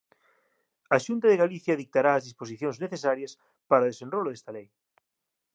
A Xunta de Galicia dictará as disposicións necesarias para o desenrolo desta Lei.